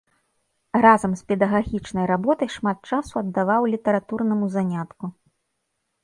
Разам з педагагічнай работай шмат часу аддаваў літаратурнаму занятку.